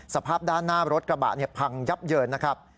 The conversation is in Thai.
สภาพด้านหน้ารถกระบะพังยับเยินนะครับ